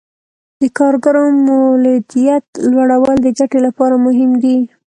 د کارګرو مولدیت لوړول د ګټې لپاره مهم دي.